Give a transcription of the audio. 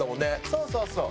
そうそうそう。